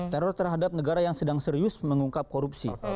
teror terhadap negara yang sedang serius mengungkap korupsi